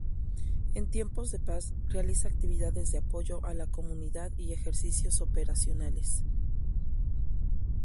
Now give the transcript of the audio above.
En tiempos de paz realiza actividades de apoyo a la comunidad y ejercicios operacionales.